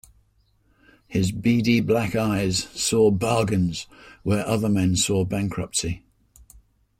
His beady black eyes saw bargains where other men saw bankruptcy.